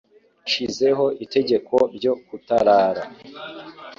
Nshizeho itegeko ryo kutarara.